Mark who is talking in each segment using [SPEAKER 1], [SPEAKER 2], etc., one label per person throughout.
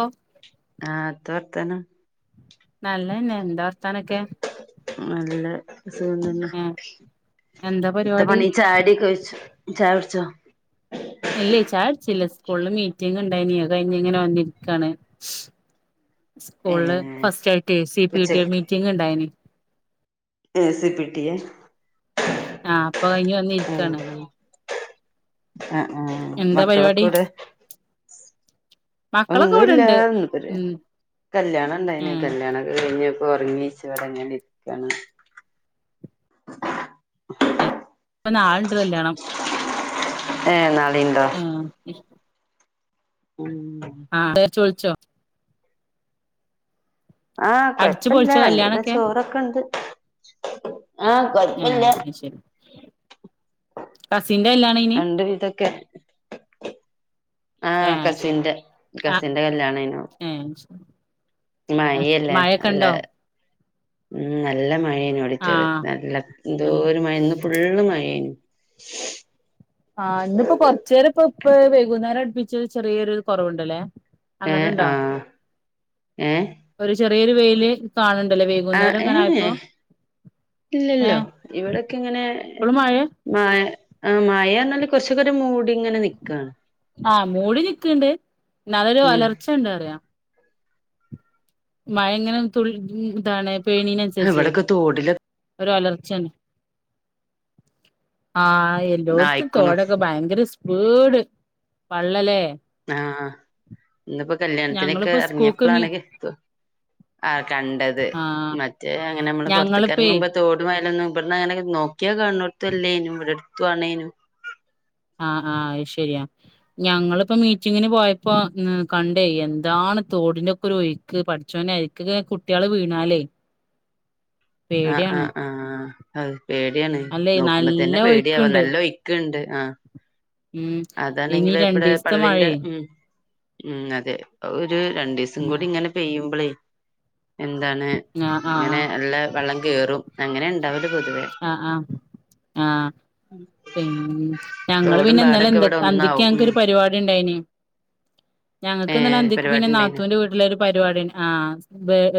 [SPEAKER 1] ഓ
[SPEAKER 2] ആഹ് എത്ത വർത്താനം
[SPEAKER 1] നല്ലന്നെ എന്താ വർത്താനൊക്കെ
[SPEAKER 2] ഉം നല്ലഹ് സുഖം തന്നെ
[SPEAKER 1] ഏ എന്താ
[SPEAKER 2] എത്ത
[SPEAKER 1] പരിപാടി
[SPEAKER 2] പണീ ചായടി കഴിച്ചു ചായുടിച്ചോ
[SPEAKER 1] അല്ലേ ചായ കുടിച്ചില്ല സ്കൂളില് മീറ്റിങ് ഉണ്ടായിനീ കഴിഞ്ഞ ഇങ്ങനെ വന്നിരിക്കയാണ് സ്കൂളില്
[SPEAKER 2] ഏഹ്
[SPEAKER 1] ഫസ്റ്റ് ആയിട്ട് സി പി ടി എ
[SPEAKER 2] ഉച്ചക്ക്
[SPEAKER 1] മീറ്റിംങ് ഉണ്ടായിന്.
[SPEAKER 2] എ സി പി ടിയ
[SPEAKER 1] ആ അപ്പൊ ഇനി ഒന്ന
[SPEAKER 2] ഉ ഹും ആ ആ
[SPEAKER 1] എന്താ
[SPEAKER 2] മക്കളക്ക
[SPEAKER 1] പരിപാടി
[SPEAKER 2] കൂടെ
[SPEAKER 1] മക്കളൊക്കെ
[SPEAKER 2] ഒന്നുമില്ല
[SPEAKER 1] ഇവിടെണ്ട്
[SPEAKER 2] ഒന്ന്
[SPEAKER 1] ഉം
[SPEAKER 2] കല്യാണം
[SPEAKER 1] ഏ
[SPEAKER 2] ഇണ്ടായിന്ന് കല്യാണം കഴിഞ്ഞപ്പോൾ ഉറങ്ങിച്ച ഇവിടെ ഇങ്ങൻ ഇരിക്കുകയാണ് [inaudible]
[SPEAKER 1] ഇപ്പൊ നാളെ ഉണ്ട് കല്യാണം
[SPEAKER 2] ഏ നാളെ ഉണ്ടോ
[SPEAKER 1] ആ ഇഷ്
[SPEAKER 2] ഉം
[SPEAKER 1] ആ എന്തേലും വിളിച്ചോ
[SPEAKER 2] ആഹ
[SPEAKER 1] അടിച്ചു
[SPEAKER 2] കൊഴപ്പില്ല
[SPEAKER 1] പൊളിച്ചോ
[SPEAKER 2] എന്തേലും
[SPEAKER 1] കല്യാണൊക്കെ
[SPEAKER 2] ചോറൊക്ക ഉണ്ട്
[SPEAKER 1] മം ശരി കസിന്റെ കല്യാണ ഇനി
[SPEAKER 2] ഉണ്ട് ഇതൊക്കെ
[SPEAKER 1] ഏ
[SPEAKER 2] ആഹ കസിന്റെ കസിന്റെ കല്യാണ അയിനു
[SPEAKER 1] മ്
[SPEAKER 2] മയ്ല്ലേ അല്ല ഉം നല്ല മഴ അയിന്നു
[SPEAKER 1] ആ
[SPEAKER 2] ഓഡിറ്റോറിയത്തിൽ നല്ല എന്തോ
[SPEAKER 1] അല്ല
[SPEAKER 2] ഒരു മഴ ഇന്നും ഫുള്ള് മഴയ്ന്നു
[SPEAKER 1] ആ ഇന്നിപ്പോ കൊറച്ചു നേരം ഇപ്പൊ ഇപ്പ വൈകുന്നേരം അടുപ്പിച്ച ചെറിയൊരു കുറവുണ്ടല്ലേ
[SPEAKER 2] ഏ
[SPEAKER 1] അങ്ങോട്ട് ഉണ്ടോ
[SPEAKER 2] ആഹ് ഏ
[SPEAKER 1] ഒരു ചെറിയൊരു വോയില് കാണണ്ടല്ലേ
[SPEAKER 2] ആ
[SPEAKER 1] വൈകുന്നേരം
[SPEAKER 2] ഏ
[SPEAKER 1] എങ്ങനെ ആയപ്പോ
[SPEAKER 2] ഇല്ലല്ലോ
[SPEAKER 1] ഏഹ്
[SPEAKER 2] ഇവിടെക്കെ ഇങ്ങനെ
[SPEAKER 1] ഇപ്പളും മഴ
[SPEAKER 2] മ ആ മഴ എന്നാല് കുറച്ചുകൂടെ മൂടി ഇങ്ങനെ നൽക്കുവാണ്
[SPEAKER 1] ആഹ് മൂടി നിക്കണ്ട് നല്ലൊരു
[SPEAKER 2] ഉം
[SPEAKER 1] അലർച്ച ഉണ്ട് അറിയാം മഴ ഇങ്ങനെ തുളളി ഇതാണ് പേയീണനുസരിച്ചേ
[SPEAKER 2] ഇവിടൊക്കെ തോടില്
[SPEAKER 1] ഒരു അലർച്ചാണ് ആ എല്ലോടത്തും
[SPEAKER 2] ആയിക്കണു
[SPEAKER 1] തോടൊക്കെ ഭയങ്കര സ് വീട് പള്ളലേ
[SPEAKER 2] ആ ഇന്നിപ്പോ കല്യാണത്തിനൊക്കെ
[SPEAKER 1] ഞങ്ങളിപ്പോ സ്കൂൾക്ക് മീ
[SPEAKER 2] ഇറങ്ങിയപ്പോഴാണ് കീത് ആ കണ്ടത്
[SPEAKER 1] ആഹ്
[SPEAKER 2] മറ്റേ അങ്ങനെ നമ്മള് പുറത്തക്ക്
[SPEAKER 1] ഞങ്ങളിപ്പേ
[SPEAKER 2] ഇറങ്ങുമ്പോ തോടുമായലൊന്നും ഇവിട അങ്ങനെ നോക്കിയാ കാണ്ണോടത്തല്ലേനും ഇവിടെടുത്തു ആണേനും
[SPEAKER 1] ആ ആ ശരിയാ ഞങ്ങളിപ്പോ മീറ്റിങ്ങിന് പോയപ്പോ ഇന്ന് കണ്ടേയ് എന്താണ് തോടിന്റെ ഒക്കെ ഒരു ഒഴ് ക്ക് പടച്ചോനെ അരിക്ക് കുട്ടികള് വീണാലേ
[SPEAKER 2] ആഹ്
[SPEAKER 1] പേടിയാണ്
[SPEAKER 2] ആഹ് ആഹ് ഹ് പേടിയാണ്
[SPEAKER 1] അല്ലേ നല്ല
[SPEAKER 2] നോക്കുമ്പോതോന് പേടിയവാ
[SPEAKER 1] ഒഴുക്കുണ്ട്
[SPEAKER 2] നല്ല ഒഴി ഒഴിക്ക ഉണ്ട് ആ
[SPEAKER 1] ഉം ഇനി
[SPEAKER 2] അതാണെങ്കില ഇവിടെ
[SPEAKER 1] രണ്ടീസത്തെ
[SPEAKER 2] പള്ളിന്റെ
[SPEAKER 1] മഴയേ
[SPEAKER 2] ഉം ഉം അതെ ഒരു രണ്ടു ദിവസം
[SPEAKER 1] ഉം
[SPEAKER 2] കൂടി ഇങ്ങനെ പെയ്യുമ്പോളേ എന്താണ്
[SPEAKER 1] ആഹ് ആഹ്
[SPEAKER 2] ഇങ്ങനെ നല്ല വെള്ളം കേയറും അങ്ങനെ ഉണ്ടാവല് പൊതുവേ
[SPEAKER 1] ആ ആ ആഹ പിന്ന ഞങ്ങള്
[SPEAKER 2] തോടും
[SPEAKER 1] പിന്നൊ ഇന്നലെ
[SPEAKER 2] പാടൊക്കെ
[SPEAKER 1] എന്തൊ
[SPEAKER 2] ഇവിടെ
[SPEAKER 1] അന്തിക്ക്
[SPEAKER 2] ഒന്നാവും ഉം
[SPEAKER 1] ഞങ്ങക്ക് പരിപാടി ഉണ്ടായിന് ഞങ്ങൾക്ക് ഇന്നല്ലെ
[SPEAKER 2] ഏഹ്
[SPEAKER 1] അന്തിക്ക് പിന്നെ
[SPEAKER 2] പരിപാടി ഇണ്ടായിനോ
[SPEAKER 1] നാത്തൂന്റെ വീട് ഒരു പരിപാടി ആ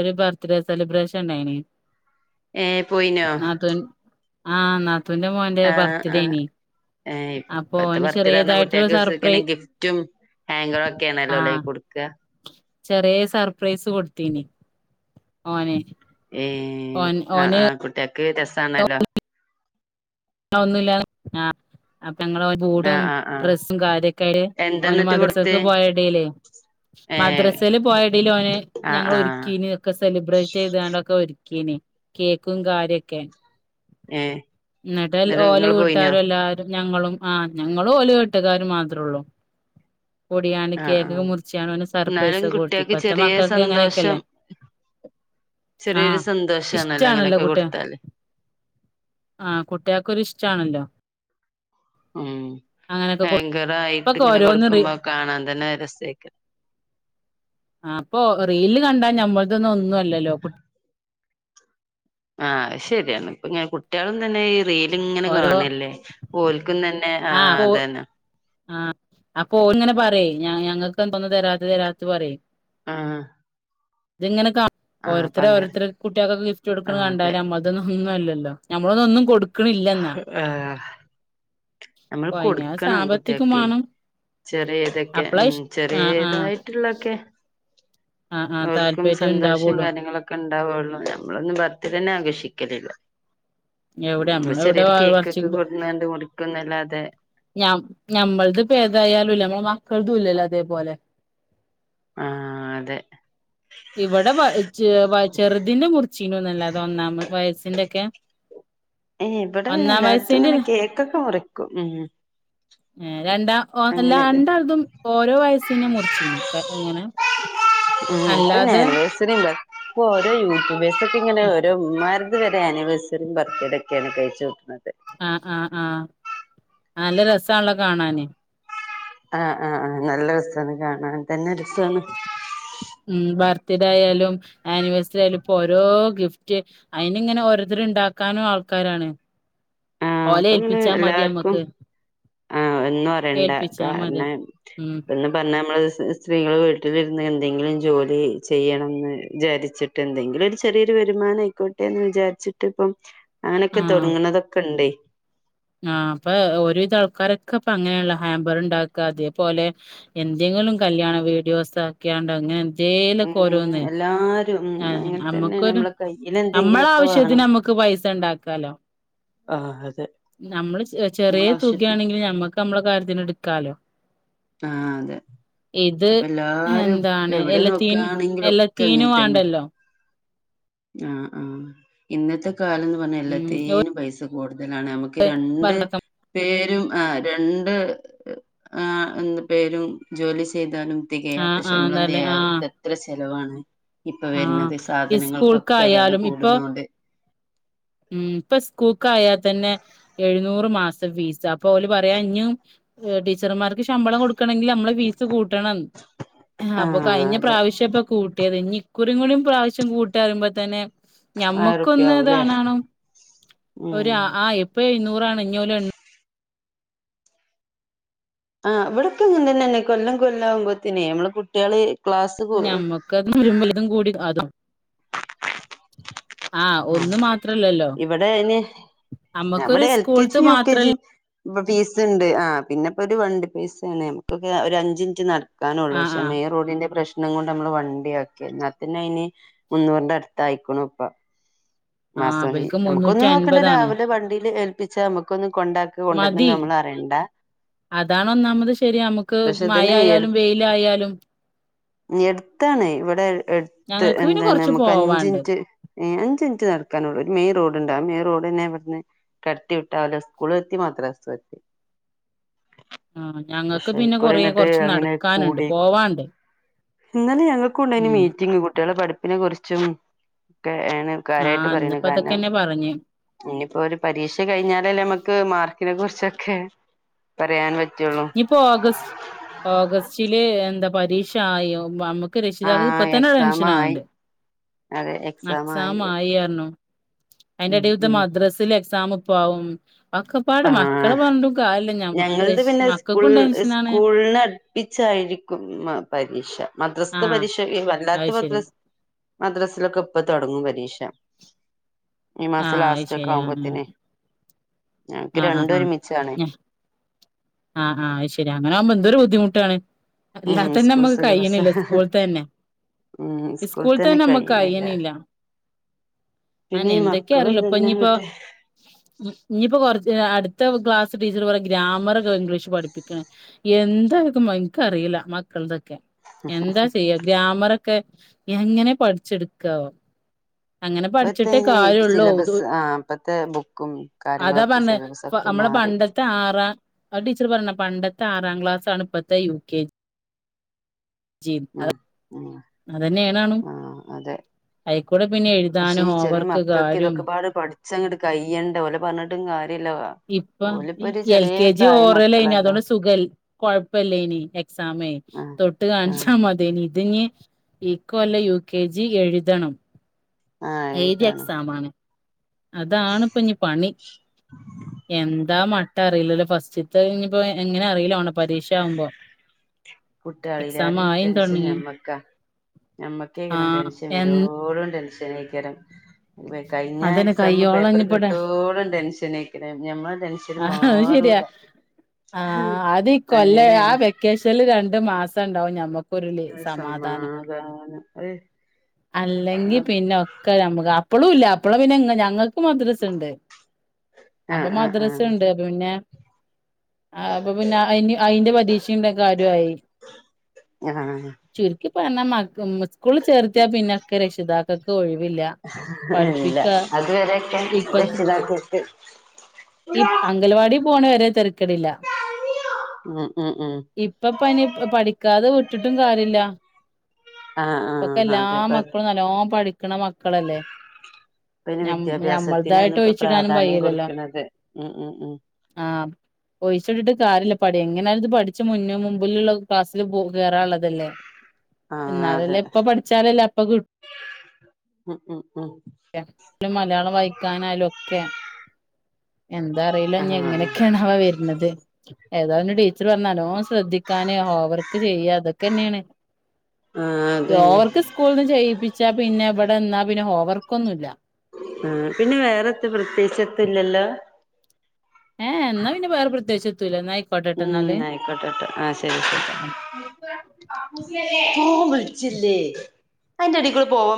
[SPEAKER 1] ഒരു ബർത്ത്ഡേ സെലിബ്രേഷൻ ഉണ്ടായിഞ്
[SPEAKER 2] ഏ പോയിനോ
[SPEAKER 1] ആഹ് നത്തുൻന്റെ മോന്റെ ബർത്ത്ഡേയിന്
[SPEAKER 2] ഏ ഇപ്പഴത്തെ ബർത്ത്ഡേ പറഞ്ഞ
[SPEAKER 1] സർപ്രൈ
[SPEAKER 2] കുട്ടിയക്കെ ഗിഫ്റ്റും ഹാങ്കൊക്കെയണല്ലോല്ല കൊടുക്കുക
[SPEAKER 1] ചെറ്യേ സർപ്രൈസ് കൊടുത്തീന് ഓന്
[SPEAKER 2] ഏഹ്
[SPEAKER 1] ഓൻ
[SPEAKER 2] ആ
[SPEAKER 1] ഓന്
[SPEAKER 2] ആ കുട്ടിയേക്ക് രസാണല്ലോ
[SPEAKER 1] അ ഒന്നുല്ലാതെ ആ അപ്പ ഞങ്ങളോൽ ബൂടും
[SPEAKER 2] ആഹ് ആഹ് ആഹ്
[SPEAKER 1] ഡ്രെസ്സും കാര്യൊക്കെ ഓന്
[SPEAKER 2] എന്താന്നിട്ട് കൊടുത്ത്
[SPEAKER 1] മദ്രസക്ക് പോയ എടേലേ
[SPEAKER 2] ഏ
[SPEAKER 1] മദ്രസേല് പോയടേല് ഓനെ
[SPEAKER 2] ആ
[SPEAKER 1] ഞങ്ങള്
[SPEAKER 2] ആ
[SPEAKER 1] ഒര്ക്കീന് ഒക്കെ സെലിബ്രേറ്റ് ചെയ്ത്ങ്ങാണ്ടൊക്കെ ഒരുക്കീന് കേക്കും കാര്യൊക്കെ
[SPEAKER 2] ഏഹ്
[SPEAKER 1] എന്നിട്ട് ൽ ഓല് വീട്ടുകാരും എല്ലാരും ഞങ്ങളും ആഹ് ഞങ്ങളും ഓല് വീട്ടുകാരും മാത്രള്ളൂ കൂടിയാണ്ട്
[SPEAKER 2] ആ ആ
[SPEAKER 1] കേക്കൊക്കെ മുറിച്ചാണ് ഓന്
[SPEAKER 2] എന്നാലും
[SPEAKER 1] സർപ്രൈസൊക്കെ കൊടുത്ത്
[SPEAKER 2] കുട്ടികൾക്ക്
[SPEAKER 1] ഇപ്പത്തെ
[SPEAKER 2] ചെറിയ
[SPEAKER 1] മക്കക്ക്
[SPEAKER 2] സന്തോഷം
[SPEAKER 1] അങ്ങനെക്കെല്ലേ
[SPEAKER 2] ചെറിയൊരു
[SPEAKER 1] ആഹ്
[SPEAKER 2] സന്തോഷാണല്ലോ
[SPEAKER 1] ഇഷ്ടാണല്ലോ
[SPEAKER 2] അങ്ങനെയൊക്കെ
[SPEAKER 1] കുട്ടിയ
[SPEAKER 2] കൊടുത്താല്
[SPEAKER 1] ആഹ് കുട്ടിയാക്കൊരു ഇഷ്ടാണല്ലോ
[SPEAKER 2] ഉം
[SPEAKER 1] അങ്ങനെയൊക്കെ
[SPEAKER 2] ഹാങ്കർ ആയിട്ട്
[SPEAKER 1] ഇപ്പൊക്കെ
[SPEAKER 2] ഇങ്ങനെ
[SPEAKER 1] ഓരോന്ന് റീ
[SPEAKER 2] കൊടുക്കുമ്പോ കാണാൻ തന്നെ അത് രസയ്ക്ക
[SPEAKER 1] ആ അപ്പൊ റീൽല് കണ്ടാ ഞമ്മളതൊന്നും ഒന്നും അല്ലല്ലോ കു
[SPEAKER 2] ആഹ് അത് ശെരിയാണ് ഇപ്പ ഇങ്ങനെ കുട്ടിയാളും തന്നെ ഈ റീല്ങ്ങനെ
[SPEAKER 1] ഓരോ
[SPEAKER 2] കാണല്ലേ ഓൽ ക്കും തന്നെ ആഹ് അതന്നെ
[SPEAKER 1] ആഹ് അപ്പൊ ഓൻ ഇങ്ങനെ പറയും ഞങ്ങക്ക് എന്തൊന്നും തരാത്ത് തരാത്ത് പറ്യേയ്
[SPEAKER 2] ആഹ്
[SPEAKER 1] ഇത്ങ്ങനെ ക ഓരോര്ത്തര്
[SPEAKER 2] അങ്ങനെ
[SPEAKER 1] ഓരോർ്ത്തരെ കുട്ട്യാക്കൊക്കെ ഗിഫ്റ്റ്
[SPEAKER 2] ആ
[SPEAKER 1] കൊട്ക്ക്ണ
[SPEAKER 2] അതെ
[SPEAKER 1] കണ്ടാല് ഞമ്മ ഇതൊന്നും ഒന്നും അല്ലല്ലോ ഞമ്മളൊന്നും ഒന്നും കൊടുക്ക്ണില്ലന്നാ
[SPEAKER 2] ഏഹ് ഞമ്മള്
[SPEAKER 1] പിന്നെ
[SPEAKER 2] കൊട്ക്കണം
[SPEAKER 1] സാമ്പത്തികം
[SPEAKER 2] കുട്ടിയാക്കെ
[SPEAKER 1] വേണം
[SPEAKER 2] ചെറിയതൊക്കെ
[SPEAKER 1] അപ്പളാ
[SPEAKER 2] ഉം
[SPEAKER 1] ഇഷ് ആ ആ
[SPEAKER 2] ചെറിയതായിട്ടുള്ളൊക്കെ
[SPEAKER 1] ആ ആ
[SPEAKER 2] ഓൽക്കും
[SPEAKER 1] താല്പര്യം
[SPEAKER 2] സന്തോഷം
[SPEAKER 1] ഉണ്ടാവുള്ളൂ
[SPEAKER 2] കാര്യങ്ങളൊ ക്കെ ഇണ്ടാവൊള്ളൂ ഞമ്മളൊന്നും ബർത്ഡേന്നെ ആഘോഷിക്കലില്ല
[SPEAKER 1] എവടെ
[SPEAKER 2] ഉം
[SPEAKER 1] ഞമ്മള്
[SPEAKER 2] ചെറിയൊരു കേക്കൊക്കെ കൊട്ന്നാണ്ട് മുറിക്കുന്നല്ലാതെ
[SPEAKER 1] ഞം ഞമ്മളത് പ്പേതായാലും ല്ല നമ്മൾ മക്കളതും ഇല്ലല്ലോ അതേപോലെ
[SPEAKER 2] ആഹ് അതെ
[SPEAKER 1] ഇവടെ വ ചെറുതിന്റെ മുറിച്ചീനൂന്നല്ലാതെ ഒന്നാമ് വയസ്സിന്റെക്കെ
[SPEAKER 2] ഏഹ് ഇബടെ പിന്നെ
[SPEAKER 1] ഒന്നാം
[SPEAKER 2] എല്ലാരതും
[SPEAKER 1] വയസ്സിന്റെ
[SPEAKER 2] ഇങ്ങനെ കേക്കൊക്കെ മുറിക്കും ഉം
[SPEAKER 1] ഏ രണ്ടാ ഓ അല്ല
[SPEAKER 2] അങ്ങനെയൊക്കെ
[SPEAKER 1] രണ്ടാൾതും ഓരോ വയസ്സിനെ മുറിച്ചീനും ക്കെ ഇങ്ങനെ
[SPEAKER 2] ഉ അനിവഴസറി ല്ലേ ഇപ്പൊ ഓരോ യുട്യൂബ്ർസ് ഒക്കെ ഇങ്ങനെ ഓരോമാ ഇതുവരെ അനിവേഴസറിം ബർത്ത്ഡേ ഒക്കേണ് കഴിച്ചോക്ക്ണത്
[SPEAKER 1] ആഹ് ആഹ് ആഹ് നല്ല രസാണല്ലോ കാണാന്
[SPEAKER 2] ആഹ് ആഹ് ആഹ് നല്ല രസാണ് കാണാ തന്നെ രസാണ്
[SPEAKER 1] ഉം ബർത്ത്ഡേ ആയാലും ആനിവേഴ്സറി ആയാലും ഇപ്പൊ ഓരോ ഗിഫ്റ്റ് അയിന് ഇങ്ങനെ ഓരോരുത്തര് ഇണ്ടാക്കാനും ആൾക്കാരാണ്
[SPEAKER 2] ആഹ്
[SPEAKER 1] ഓലെ
[SPEAKER 2] അപ്പൊ ഇങ്ങനെ
[SPEAKER 1] ഏപ്പിച്ചാ മതി
[SPEAKER 2] എല്ലാർക്കും
[SPEAKER 1] ഞമ്മക്ക്
[SPEAKER 2] ആഹ് ഒന്നും അറിയണ്ട
[SPEAKER 1] മതി
[SPEAKER 2] കാരണം [unintelligible]
[SPEAKER 1] ഉം
[SPEAKER 2] പറഞ്ഞ നമ്മള് സ് സ്ത്രീകള് വീട്ടിലിരുന്ന് എന്തെങ്കിലും ജോലി ചെയ്യണംന്ന് വിചാരിച് ട്ട് എന്തെങ്കിലും ഒരു ചെറിയൊരു വരുമാനം ആയിക്കോട്ടെന്ന് വിചാരിച്ചിട്ട് ഇപ്പം അങ്ങനെക്കെ
[SPEAKER 1] ആഹ്
[SPEAKER 2] തൊടങ്ങ്ണതൊക്കെ ഇണ്ടയ്
[SPEAKER 1] ആഹ് ഇപ്പൊ ഒര് വിധ ആൾക്കാരൊക്കെ ഇപ്പോ അങ്ങനേല്ല ഹാമ്പർ ഇണ്ടാക്ക അതേപോലെ എന്തെങ്കിലും കല്യാണം വീഡിയോസ് ആക്കിയാണ്ട് അങ്ങ
[SPEAKER 2] ഉം എല്ലാര്
[SPEAKER 1] ആഹ് നമ്മക്കൊരു നമ്മള
[SPEAKER 2] എന്തെങ്കിലുമൊക്കെ
[SPEAKER 1] ആവശ്യത്തിന്
[SPEAKER 2] വേണം
[SPEAKER 1] നമ്മക്ക് പൈസ ഇണ്ടാക്കാലോ
[SPEAKER 2] ആഹ് അതെ
[SPEAKER 1] ഞമ്മള് ചെ
[SPEAKER 2] നമ്മളെ
[SPEAKER 1] ചെറിയ
[SPEAKER 2] ആവശ്യത്തിന്
[SPEAKER 1] തുകയാണെങ്കിലും ഞമ്മക്ക് പ്പ നമ്മള കാര്യത്തിന്ട്ക്കാലോ
[SPEAKER 2] ആഹ് അതെ
[SPEAKER 1] ഇത്
[SPEAKER 2] അപ്പൊ എല്ലാരും ഇപ്പ
[SPEAKER 1] എന്താണ്
[SPEAKER 2] എവടെ
[SPEAKER 1] എല്ലത്തീനും
[SPEAKER 2] നോക്കാണെങ്കിലും ഒക്കെ
[SPEAKER 1] എല്ലത്തീനും
[SPEAKER 2] ഇങ്ങനെ തന്നെ
[SPEAKER 1] വാണ്ടല്ലോ
[SPEAKER 2] ആഹ് ആഹ് ഇന്നത്തെ കാലംന്ന് പറഞ്ഞാൽ
[SPEAKER 1] ഉം
[SPEAKER 2] എല്ലാത്തേനും പൈസ കൂടുതലാണ് നമുക്ക് രണ്ട്
[SPEAKER 1] ആഹ്
[SPEAKER 2] പേരും ആ രണ്ട് ആ് എ പേരും ജോലി ചെയ്താലും തികയാത്ത
[SPEAKER 1] ആഹ്
[SPEAKER 2] ശമ്പളം
[SPEAKER 1] തന്നെ
[SPEAKER 2] തികയാതെ
[SPEAKER 1] ആഹ്
[SPEAKER 2] ത്ത് എത്ര ചെലവാണ് ഇപ്പൊ വരുന്നത്
[SPEAKER 1] ആഹ്
[SPEAKER 2] സാധനങ്ങൾക്കൊക്കെ വില
[SPEAKER 1] സ്കൂൾക്കായാലും ഇപ്പൊ
[SPEAKER 2] കൂടുന്ന കൊണ്ട്
[SPEAKER 1] ഉം ഇപ്പ സ്കൂക്കായാ തന്നെ എഴുന്നൂറ് മാസം ഫീസ് അപ്പൊ ഓല് പറയാ ഇഞ്ഞും ഏഹ് ടീച്ചർമാർക് ക്ക് ശമ്പളം കൊടുക്കണെങ്കി നമ്മള് ഫീസ് കൂട്ടണം ഏഹ് അപ്പൊ
[SPEAKER 2] ആഹ്
[SPEAKER 1] കഴിഞ്ഞ
[SPEAKER 2] അതെ
[SPEAKER 1] പ്രാവശ്യപ്പ കൂട് കട്ടിയത് ഇനി ഇക്കുറിം കൂടിം ക പ്രാവശ്യം കൂട്ടാ പറയുമ്പോ തന്നെ
[SPEAKER 2] ആയിരം റുപ്യ
[SPEAKER 1] ഞമ്മക്കൊന്ന്
[SPEAKER 2] ആവൂല്ലേ
[SPEAKER 1] ഇതാണാണോ ഒരു
[SPEAKER 2] ഉം
[SPEAKER 1] ആഹ് ആഹ് ഇപ്പോ എഴുന്നൂറാണ് ഇഞ്യോല് എണ്
[SPEAKER 2] ആഹ് ഇവിടെക്കങ്ങനെതന്നെന്നെ കൊല്ലം കൊല്ലാകുമ്പോത്തെന് നമ്മള് കുട്ട്യാള്
[SPEAKER 1] ഞമ്മക്ക്ത് വരുമ്പ ഇതും കൂടി അതും ഒന്ന്
[SPEAKER 2] ആഹ്
[SPEAKER 1] മാത്രല്ലല്ലോ
[SPEAKER 2] ഇവിടെ അയ്ന്
[SPEAKER 1] നമ്മക്കൊരു
[SPEAKER 2] അവിടെ എൽ കെ
[SPEAKER 1] സ്കൂൾത്ത്
[SPEAKER 2] ജിം യു കെ
[SPEAKER 1] മാത്രല്ല
[SPEAKER 2] ജിം ഇപ്പ പീസ് ഇണ്ട് ആഹ് പിന്നെപ്പൊ ഒരു വണ്ടി പൈസേണ് നമുക്കക്കെ ഒരു അഞ്ച് ഇഞ്ച് നട ക്കാനുള്ളൂ
[SPEAKER 1] ആഹ്
[SPEAKER 2] പക്ഷെ
[SPEAKER 1] ആഹ്
[SPEAKER 2] മെയിൻ റോഡിന്റെ പ്രശ് നം കൊണ്ട് നമ്മള് വണ്ടിയാക്കിയെ എന്നാ തന്നെ ഇനി മുന്നൂറിന്റെ അടുത്ത ആയിക്കുണു ഇപ്പം
[SPEAKER 1] ആഹ്
[SPEAKER 2] മാസം ഫീ
[SPEAKER 1] ഇബൽക്ക്
[SPEAKER 2] നമുക്കൊന്ന്
[SPEAKER 1] മുന്നൂറ്റി
[SPEAKER 2] നോക്കണ്ട
[SPEAKER 1] അൻപതാണ്
[SPEAKER 2] രാവിലെ വണ്ടില് ഏൽപ്പിച്ച നമുക്കൊന്ന് കൊണ്ടാക്ക കൊണ്ടുവരണെ
[SPEAKER 1] മതി
[SPEAKER 2] നമ്മള് അറിയണ് ണ്ട
[SPEAKER 1] അതാണ് ഒന്നാമത് ശരി നമുക്ക്
[SPEAKER 2] പക്ഷെ
[SPEAKER 1] മയ
[SPEAKER 2] ഇതന്നെ എടു
[SPEAKER 1] ആയാലും വെയിലായാലും
[SPEAKER 2] എടുത്താണ് ഇവിടെ എടുത്ത്
[SPEAKER 1] ഞങ്ങൾക്ക് പിന്നെ
[SPEAKER 2] എന്താണ്
[SPEAKER 1] കൊറച്ച്
[SPEAKER 2] നമുക്ക്
[SPEAKER 1] പോവാണ്ട്
[SPEAKER 2] അഞ്ചിറ്റ് ഏഹ് അഞ്ച്മിറ്റ് നടക്കാനുള്ളൂ ഒരു മെയിൻ റോഡ്ണ്ട് ആഹ് മെയിൻറോഡ്ന്നെ അവിടുന്ന് കടത്തി വിട്ടാ ഓല് സ്കൂളും എത്തി മദ്രസ എത്തി
[SPEAKER 1] [inaudible] ആഹ് ഞങ്ങക്ക്
[SPEAKER 2] പക്ഷെ
[SPEAKER 1] പിന്നെ
[SPEAKER 2] ഇക്കുറി
[SPEAKER 1] കൊറെ
[SPEAKER 2] എന്നിട്ട്
[SPEAKER 1] കുറച്ച്
[SPEAKER 2] അങ്ങനെ
[SPEAKER 1] നടക്കാനുണ്ട്
[SPEAKER 2] കൂടി
[SPEAKER 1] പോവാണ്ട്
[SPEAKER 2] ഇന്നലെ ഞങ്ങൾക്കും ഉണ്ടായിന്
[SPEAKER 1] ഉം
[SPEAKER 2] മീറ്റിംങ്ങ് കുട്ടികളെ പഠിപ്പിനെ കുറിച്ചും റ്റെ ഏണ്
[SPEAKER 1] ആ
[SPEAKER 2] കാര്യായിട്ട് പറയണെ
[SPEAKER 1] ഇന്നിപ്പോ
[SPEAKER 2] കാരണം
[SPEAKER 1] അതൊക്കെന്നെ പറഞ്ഞ്
[SPEAKER 2] ഇനിപ്പോ ഒരു പരീക്ഷ കഴിഞ്ഞാലല്ലേ നമുക്ക് മാർക്കിനെ കുറിച്ചൊക്കെ പറയാൻ പറ്റുള്ളൂ
[SPEAKER 1] ഇപ്പോ ഓഗസ് ഓഗസ്റ്റില് എന്താ പരീക്ഷ ആയോ നമുക്ക് ക്ക് രക്ഷിതാക്കക്ക് ഇപ്പ
[SPEAKER 2] ആഹ്
[SPEAKER 1] തന്നെ
[SPEAKER 2] എക്സാം
[SPEAKER 1] ടെൻഷൻ
[SPEAKER 2] ആയി
[SPEAKER 1] ആകണ്ട്
[SPEAKER 2] അതെ ആയി
[SPEAKER 1] എക്സാം ആയിര്ന്നു അയ്ന്റെ
[SPEAKER 2] ഉം
[SPEAKER 1] എടെല് ദാ
[SPEAKER 2] ഉം
[SPEAKER 1] മദ്രസിൽ എക്സാം ഇപ്പൊ ആകും ഒക്കപ്പാട് മക്കളെ പറഞ്ഞിട്ടും കാര്യല്ല ഞമ്മ രഷ്
[SPEAKER 2] ല്ലേ സ്കൂൾ സ്കൂൾന അഡ് പ്പിച്ചായിരിക്കും മ് പരീക്ഷ
[SPEAKER 1] ആ
[SPEAKER 2] മദ്രസ്ഥ പരീക്ഷ ഏഹ് വല്ലാത്ത
[SPEAKER 1] അത് ശരി
[SPEAKER 2] മദ്രസ് മദ്രസിലൊക്കെ ഇപ്പൊ തുടങ്ങും പരീക്ഷ ഈ
[SPEAKER 1] ആ
[SPEAKER 2] മാസം
[SPEAKER 1] അത്
[SPEAKER 2] ലാസ്റ്റ് ഒക്കെ
[SPEAKER 1] ശരി ആ
[SPEAKER 2] ആകുമ്പോത്തെനേ ഞങ്ങക്ക്
[SPEAKER 1] ആ ആ
[SPEAKER 2] രണ്ടും ഒരുമിച്ചാണെ
[SPEAKER 1] ആഹ് ആഹ് അയ്ശരി അങ്ങനാവുമ്പോ എന്തൊരു ബുദ്ധിമുട്ടാണ്
[SPEAKER 2] ഉം
[SPEAKER 1] അല്ലാത്തന്നെ
[SPEAKER 2] സ്കൂൾ
[SPEAKER 1] നമ്മുക്ക്
[SPEAKER 2] സിലബസ്
[SPEAKER 1] കയ്യണില്ല സ്കൂളിത്തന്നെ
[SPEAKER 2] ഉം
[SPEAKER 1] സ്
[SPEAKER 2] സ്കൂൾ തന്നെ
[SPEAKER 1] സ്കൂളിത്തന്നെ നമ്മക്ക്
[SPEAKER 2] കഴിയുന്നില്ല
[SPEAKER 1] അയ്യനില്ല
[SPEAKER 2] പിന്നെ
[SPEAKER 1] അങ്ങനെ
[SPEAKER 2] ഈ
[SPEAKER 1] എന്തൊക്കെയ
[SPEAKER 2] മക്കളും
[SPEAKER 1] അറിയുള്ളൂ ഇപ്പോ
[SPEAKER 2] തന്നെ
[SPEAKER 1] ഇഞ്ഞിപ്പോ
[SPEAKER 2] ഇങ്ങട്ട്
[SPEAKER 1] ഉം ഇഞ്ഞിപ്പോ കൊറച്ച് ഏഹ് ആഹ് അടുത്ത ക്ലാസ് ടീച്ചർ പറയും ഗ്രാമറ് ത്തോ ഇംഗ്ലീഷ് പഠിപ്പിക്കൻ എന്തായ്ക്കും മന് എനക്ക് അറിയില്ല മക്കൾതൊക്കെ എന്താ ചെയ്യാ ഗ്രാമറൊക്കെ എങ്ങനെ പഠിച്ചെടുക്കാവോ അങ്ങനെ പഠിച്ചിട്ടേ
[SPEAKER 2] ഇപ്പത്തന്
[SPEAKER 1] കാര്യള്ളൂ ഇത്
[SPEAKER 2] സിലബസ് ആഹ് ഇപ്പത്തെ ബുക്കും
[SPEAKER 1] അതാ
[SPEAKER 2] കാര്യങ്ങളൊക്കെ
[SPEAKER 1] പറഞ്ഞെ
[SPEAKER 2] സിലബസ് അതൊക്കെ
[SPEAKER 1] നമ്മളെ
[SPEAKER 2] മാറി
[SPEAKER 1] [unintelligible] ആറാം ടീച്ചർ പറഞ്ഞ പണ്ടത്തെ ആറാം ക്ലാസ് ആണ് ഇപ്പഴത്തെ യു കെ ജി
[SPEAKER 2] ആഹ് ഉം
[SPEAKER 1] അതന്നെ ഏനാണും
[SPEAKER 2] ആ അതെ
[SPEAKER 1] ആയിക്കൂടെ പിന്നെ എഴുതാനും ഹോംവർക്ക് കാരും
[SPEAKER 2] അങ്ങടുക്കയ്യ [unintelligible] ണ്ട പോലെ പറഞ്ഞിട്ടും കാര്യല്ല വാ
[SPEAKER 1] ഇപ്പൊ ഈ എൽ കെ ജി ഓറ്ലൈനു
[SPEAKER 2] മക്കളല്ലേ
[SPEAKER 1] അതുകൊണ്ട് സുഖൽ കോഴപ്പലേനി എക്സാമെ
[SPEAKER 2] ആ
[SPEAKER 1] തൊട് തൊട്ട്
[SPEAKER 2] ആ
[SPEAKER 1] കാണിച്ചാൽ മതിനി ഇതിനി ഈക്കൊല്ലം യു കെ ജി എഴുതണം
[SPEAKER 2] ആ
[SPEAKER 1] ഏഴുതി
[SPEAKER 2] ഇതാണ്
[SPEAKER 1] എക്സാം ആണ് അതാണ് ഇപ്പൊ ഇനി പണി എന്താ മ ട്ടറിയിട്ടല്ലോ ഫസ്റ്റിത്തെ ഇന്നിപ്പം എങ്ങനെ അറിയില്ലല്ലോ ഓണ പരീക്ഷ ആകുമ്പോ
[SPEAKER 2] കുട്ടാളയിലാരും ടെൻഷൻ
[SPEAKER 1] തൊടങ്ങി
[SPEAKER 2] ഞമ്മക്കാ ഞ മ്മക്കേക്കേ
[SPEAKER 1] ആഹ്
[SPEAKER 2] ടെൻഷൻ
[SPEAKER 1] എ
[SPEAKER 2] വോട [unintelligible] ടെൻഷൻ സനീകരം കഴിഞ്ഞാ
[SPEAKER 1] അതന്നെ
[SPEAKER 2] എക്സാമ്
[SPEAKER 1] കയ്യോളം
[SPEAKER 2] പേപ്പർ
[SPEAKER 1] ഇഞ്ഞിപ്പടെ
[SPEAKER 2] കിട്ടോളും ടെൻഷനക്കണെ ഞമ്മള ടെൻഷന്
[SPEAKER 1] ആഹ് അത് ശരിയാ
[SPEAKER 2] മാറൂല
[SPEAKER 1] ആഹ് അത് കൊല്ല ആ
[SPEAKER 2] അങ്ങനേണ്
[SPEAKER 1] വെക്കേഷനിൽ രണ്ടു മാസം ഉണ്ടാവും ഞമ്മക്ക്
[SPEAKER 2] ഒരു സമാധാനം അതെ
[SPEAKER 1] അല്ലെങ്കിൽ പിന്നെ ഒക്കെ നമുക്ക് അപ്പഴും ഇല്ല അപ്പളും പിന്നെ ഞങ്ങൾക്ക് ക്ക് മദ്രസയുണ്ട് അപ്പൊ
[SPEAKER 2] ആഹ് ആഹ്
[SPEAKER 1] മദ്രസയുണ്ട്
[SPEAKER 2] ആഹ്
[SPEAKER 1] അപ്പൊ പിന്നെ ആ അപ്പൊ പിന്നെ അതിന് അയിന്റെ പരീക്ഷ ന്റെ കാര്യയി
[SPEAKER 2] ആഹ്
[SPEAKER 1] ചുരുക്കിപ്പോ എന്നാ മ സ്കൂളിൽ ചേ റ്റാ പിന്നെ ക്കെ രക്ഷിതാക്കൾക്ക് ഒഴിവില്ല പഠിപ്പിക്ക
[SPEAKER 2] അതുവരൊക്കെ
[SPEAKER 1] ഇപ്പത്തെ
[SPEAKER 2] രക്ഷിതാക്കൾക്ക്
[SPEAKER 1] ഈ അംഗലവാടി പോണ വരെ തെരക്കലില്ല
[SPEAKER 2] ഉം ഉം ഉം
[SPEAKER 1] ഇപ്പം പനി പഠിക്കാതെ വിട്ടിട്ടും കാര്യല്ല
[SPEAKER 2] ആഹ്
[SPEAKER 1] ഇപ്പൊക്കെ
[SPEAKER 2] ആഹ്
[SPEAKER 1] എല്ലാ
[SPEAKER 2] അതെ ഇപ്പ
[SPEAKER 1] മക്കളും നല്ലോണം പഠിക്കണ മക്കളല്ലേ
[SPEAKER 2] പിന്നെ
[SPEAKER 1] ഞ
[SPEAKER 2] വിദ്യാഭ്യാസത്തിനാണ്
[SPEAKER 1] ഞമ്മൾതായിട്ട്
[SPEAKER 2] ഇപ്പൊ
[SPEAKER 1] ഒഴിച്ചിടാനും
[SPEAKER 2] പ്രാധാന്യം കൊടുക്കുന്നത് ഉം ഉം ഉം
[SPEAKER 1] ആഹ് ഓടിച്ചോട്ടിട്ട് കാര്യല്ല പഠി എങ്ങനത് പഠിച്ച് മുന്നേ മുമ്പിലുള്ള ക്ലാസ്സിൽ പോ കേയറുള്ളതല്ലേ
[SPEAKER 2] ആഹ് അതെ
[SPEAKER 1] എന്നാലല്ലേ ഇപ്പൊ പഠിച്ചാലല്ല അപ്പൊ കിട്ടു
[SPEAKER 2] ഉം ഉം ഉം
[SPEAKER 1] പിന്നെ മലയാളം വായിക്കാനായാലും ഒക്കെ എന്താ അറിയില്ല ഇനി
[SPEAKER 2] ആഹ് ആഹ്
[SPEAKER 1] എങ്ങനെയൊക്കെയാണാവോ വരുന്നത് ഏതാ ഇവന് ടീച്ചർ പറഞ്ഞേ നല്ലോണം ശ്രദ്ധിക്കാന് ഹോം വർക്ക് ചെയ്യാ അതൊക്കെ തന്നെയാണ്
[SPEAKER 2] ആഹ് അതെന്നെ
[SPEAKER 1] ഓവർക്ക് സ്കൂളിൽ നിന്ന് ചെയ്യിപ്പിച്ചാ പിന്നെ ഇവിടെ എന്നാ പിന്നെ ഹോംവർക്ക് ഒന്നും ഇല്ല
[SPEAKER 2] ആഹ് പിന്നെ വേറെത് പ്രത്യേകിച്ചിത് ല്ലല്ലോ
[SPEAKER 1] ഹ് എന്നാ പിന്നെ വേറെ പ്രത്യേകിച്ചതൊന്നുമില്ല എന്നായി
[SPEAKER 2] ഉം ആയിക്കോട്ടെട്ട് ആഹ് ശരി ശരി ഫോൺ വിളിച്ചില്ലേ അയിന്റെ അടി കൂടെ പോവാൻ